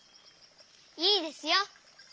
いいですよ。